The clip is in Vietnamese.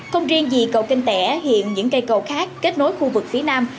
không riêng gì cầu kênh tẻ hiện những cây cầu khác kết nối khu vực phía nam